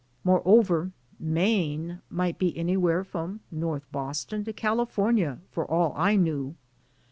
More over, Maine might be anywhere from North Boston to California for all I knew.